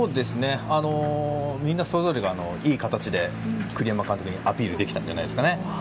みんな、それぞれがいい形で栗山監督にアピールできたんじゃないですかね。